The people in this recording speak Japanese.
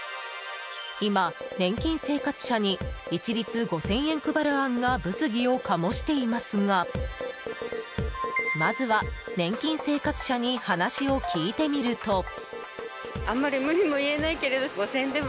今、年金生活者に一律５０００円配る案が物議を醸していますがまずは年金生活者に話を聞いてみると。